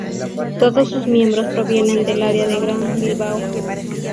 Todos sus miembros provienen del área del Gran Bilbao.